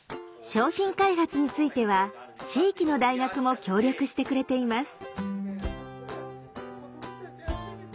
商品開発については地域の大学も協力してくれています。